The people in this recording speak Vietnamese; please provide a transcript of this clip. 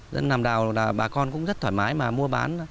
dân làm đào là bà con cũng rất thoải mái mà mua bán